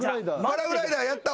パラグライダーやった。